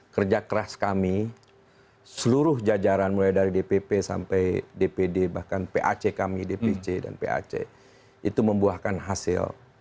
kerja keras kami seluruh jajaran mulai dari dpp sampai dpd bahkan pac kami dpc dan pac itu membuahkan hasil